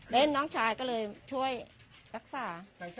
น้องชายก็เลยช่วยรักษา